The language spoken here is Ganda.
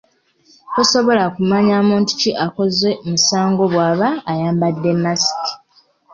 Tosobola kumanya muntu ki akoze musango bw'aba ayambadde masiki.